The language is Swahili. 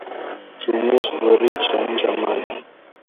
Tumia sufuria kuchemsha maji